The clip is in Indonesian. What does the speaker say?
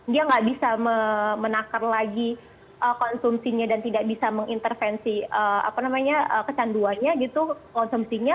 dia nggak bisa menakar lagi konsumsinya dan tidak bisa mengintervensi kecanduannya gitu konsumsinya